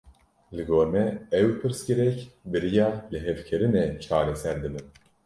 Li gor me ew pirsgirêk, bi riya lihevkirinê çareser dibin